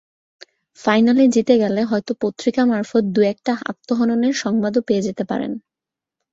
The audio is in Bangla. ফাইনালে জিতে গেলে হয়তো পত্রিকা মারফত দু-একটা আত্মহননের সংবাদও পেয়ে যেতে পারেন।